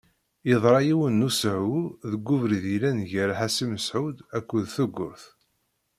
Yeḍṛa yiwen n usehwu deg ubrid yellan gar Ḥasi Mesεud akked Tugurt.